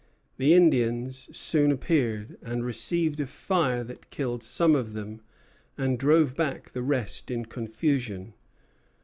The Indians soon appeared, and received a fire that killed some of them and drove back the rest in confusion.